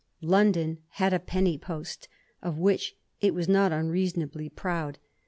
London had a peony post, of which it was not unreasonably proud.